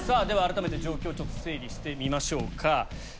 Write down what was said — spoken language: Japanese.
では改めて状況をちょっと整理してみましょうか。